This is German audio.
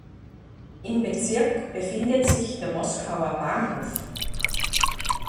Im Bezirk befindet sich der Moskauer Bahnhof.